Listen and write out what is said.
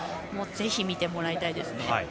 ぜひ見てもらいたいです。